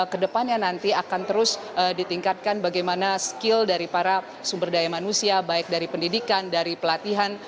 kedepannya nanti akan terus ditingkatkan bagaimana skill dari para sumber daya manusia baik dari pendidikan dari pelatihan